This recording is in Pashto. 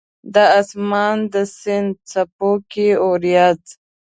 د اسمان د سیند څپو کې اوریځ